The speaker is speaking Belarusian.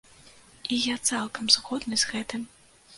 І я цалкам згодны з гэтым.